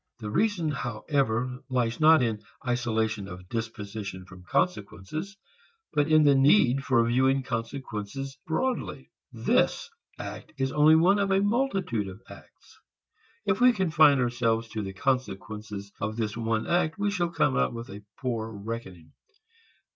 The reason, however, lies not in isolation of disposition from consequences, but in the need for viewing consequences broadly. This act is only one of a multitude of acts. If we confine ourselves to the consequences of this one act we shall come out with a poor reckoning.